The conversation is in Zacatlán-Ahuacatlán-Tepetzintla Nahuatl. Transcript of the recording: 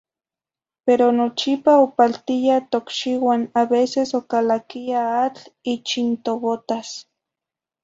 Pero nochipa opaltiya tocxiuan a veces ocalaquiya atl ichin tobotas.